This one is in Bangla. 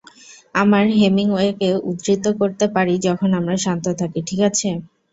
আমরা হেমিংওয়েকে উদ্ধৃত করতে পারি যখন আমরা শান্ত থাকি, ঠিক আছে?